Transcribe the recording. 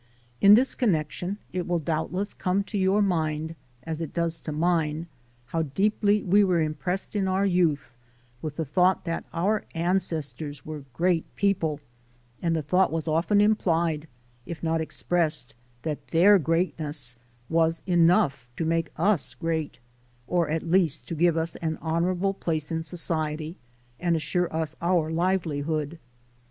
In this connection, it will doubtless come to your mind as it does to mine, how deeply we were impressed in our youth with the thought that our ancestors were great people and the thought was often implied, if not expressed, that their great ness was enough to make us great, or at least to give us an honorable place in society and assure us our livelihood.